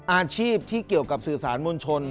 อาชีพที่เกี่ยวกับสื่อสารมวลชน